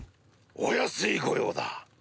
お安いご用だ！